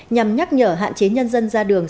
và nhắc nhở hạn chế nhân dân ra đường